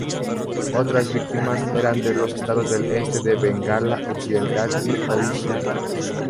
Otras víctimas eran de los estados del este de Bengala Occidental y Odisha.